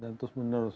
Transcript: dan terus menerus